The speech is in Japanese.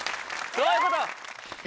そういうこと！